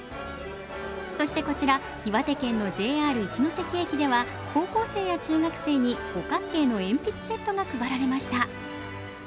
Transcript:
そしてこちら岩手県のＪＲ一ノ関駅では高校生や中学生に五角形の鉛筆セットが配られました。